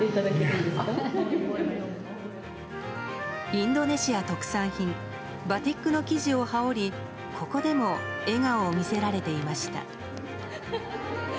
インドネシア特産品バティックの生地を羽織りここでも笑顔を見せられていました。